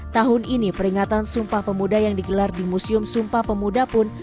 tahun ini peringatan sumpah pemuda yang digelar di museum sumpah pemuda pun